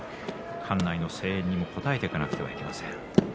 館内の声援に応えていかなければなりません。